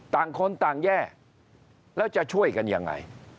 ต่างคนต่างแย่แล้วจะช่วยกันยังไง